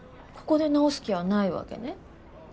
ここで治す気はないわけね。